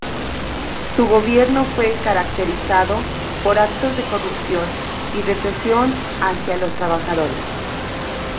Su gobierno fue caracterizado por actos de corrupción y represión hacia los trabajadores.